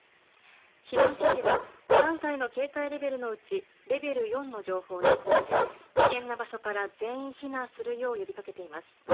避難指示は５段階の警戒レベルのうちレベル４の情報で、危険な場所から全員避難するよう呼びかけています。